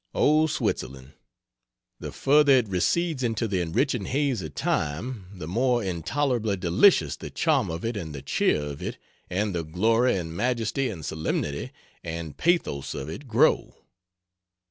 O, Switzerland! the further it recedes into the enriching haze of time, the more intolerably delicious the charm of it and the cheer of it and the glory and majesty and solemnity and pathos of it grow.